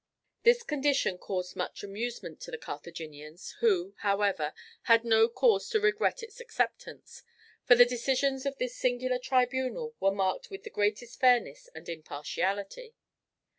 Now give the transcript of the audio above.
This condition caused much amusement to the Carthaginians, who, however, had no cause to regret its acceptance, for the decisions of this singular tribunal were marked by the greatest fairness and impartiality.